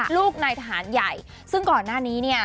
ลูกนายทหารใหญ่ซึ่งก่อนหน้านี้เนี่ย